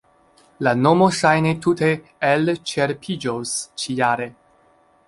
La mono ŝajne tute elĉerpiĝos ĉi-jare.